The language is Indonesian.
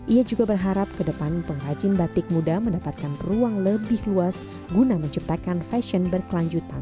ia juga berharap ke depan pengrajin batik muda mendapatkan ruang lebih luas guna menciptakan fashion berkelanjutan